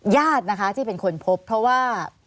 ญาตินะคะที่เป็นคนพบเพราะว่า